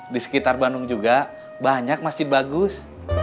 di sekitar bandung juga banyak masih bagus